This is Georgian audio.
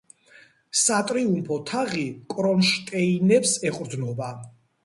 სატრიუმფო თაღი კრონშტეინებს ეყრდნობა.